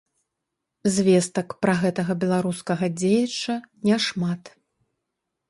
Звестак пра гэтага беларускага дзеяча няшмат.